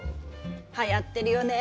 はやってるよね